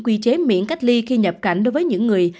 quy chế miễn cách ly khi nhập cảnh đối với những người